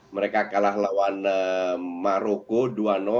mereka kalah lawan maroko dua